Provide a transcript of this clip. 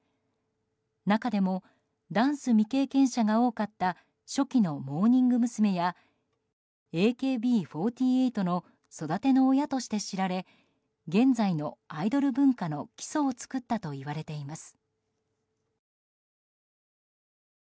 中でもダンス未経験者が多かった初期のモーニング娘。やＡＫＢ４８の育ての親として知られ現在のアイドル文化の基礎を作ったといわれています。